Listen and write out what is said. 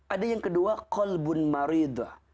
ada yang kedua kolbun maridah